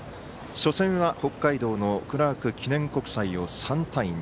初戦は北海道のクラーク国際を３対２。